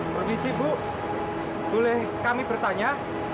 permisi bu boleh kami bertanya